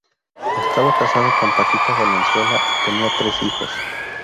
Estaba casado con Paquita Valenzuela y tenía tres hijos.